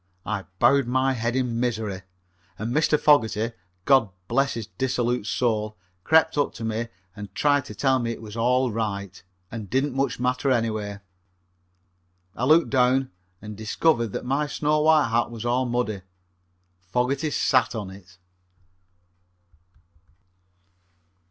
I bowed my head in misery, and Mr. Fogerty, God bless his dissolute soul, crept up to me and tried to tell me it was all right, and didn't matter much anyway. I looked down, and discovered that my snow white hat was all muddy. Fogerty sat on it.